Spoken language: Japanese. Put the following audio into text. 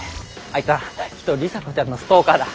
あいつはきっと里紗子ちゃんのストーカーだ。